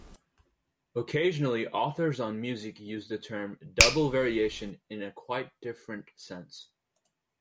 Occasionally, authors on music use the term "double variation" in a quite different sense.